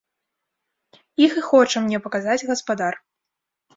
Іх і хоча мне паказаць гаспадар.